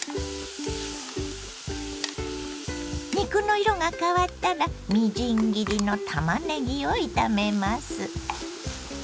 肉の色が変わったらみじん切りのたまねぎを炒めます。